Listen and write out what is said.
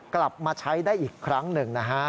กลับมาใช้ได้อีกครั้งหนึ่งนะฮะ